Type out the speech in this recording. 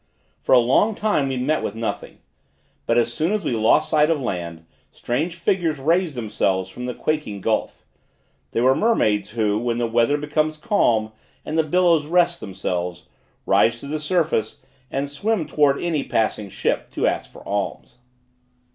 For a long time we met with nothing; but as soon as we lost sight of land, strange figures raised themselves from the quaking gulph. They were mermaids, who, when the weather becomes calm and the billows rest themselves, rise to the surface and swim towards any passing ship, to ask for alms.